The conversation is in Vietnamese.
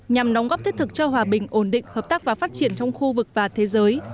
nhằm đóng góp thiết thực cho hòa bình ổn định hợp tác và phát triển trong khu vực và thế giới